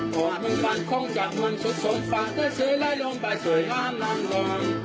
พอมึงฝันคงจับมันสุดสมฝากเธอเสื้อไล่ลงไปเสื้ออ้านน้ำหล่อน